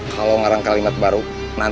kalau keringatkan kalimat baru nanti susah lagi